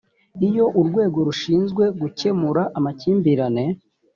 iyo urwego rushinzwe gukemura amakimbirane